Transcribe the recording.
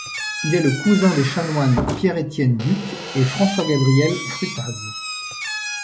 Il est le cousin des chanoines Pierre-Étienne Duc et François-Gabriel Frutaz.